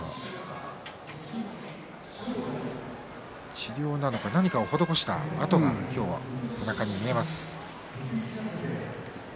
治療なのか、何かを施した痕が背中に見えます。